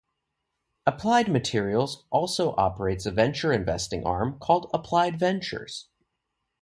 Applied Materials also operates a venture investing arm called Applied Ventures.